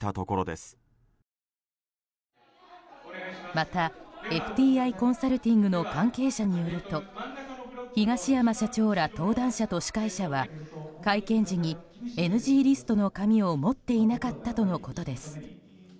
またＦＴＩコンサルティングの関係者によると東山社長ら登壇者と司会者は会見時にＮＧリストの紙を持っていなかったとのことです。